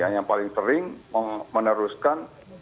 yang paling sering meneruskan